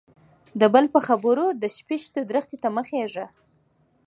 د بل په خبرو د شپيشتو درختي ته مه خيژه.